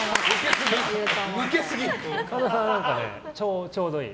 神田さんはちょうどいい。